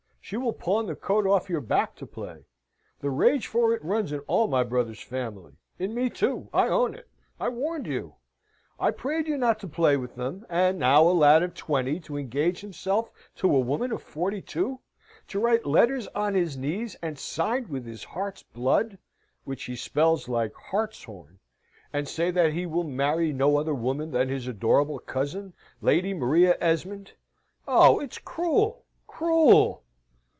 She will pawn the coat off your back to play. The rage for it runs in all my brother's family in me too, I own it. I warned you. I prayed you not to play with them, and now a lad of twenty to engage himself to a woman of forty two! to write letters on his knees and signed with his heart's blood (which he spells like hartshorn), and say that he will marry no other woman than his adorable cousin, Lady Maria Esmond. Oh! it's cruel cruel!"